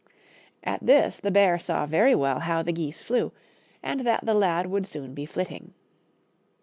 At this the bear saw very well how the geese flew, and that the lad would soon be flitting.